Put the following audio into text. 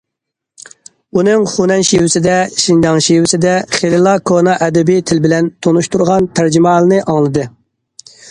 ئۇنىڭ خۇنەن شېۋىسىدە، شىنجاڭ شېۋىسىدە خېلىلا كونا ئەدەبىي تىل بىلەن تونۇشتۇرغان تەرجىمىھالىنى ئاڭلىدى.